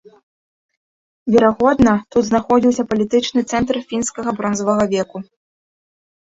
Верагодна, тут знаходзіўся палітычны цэнтр фінскага бронзавага веку.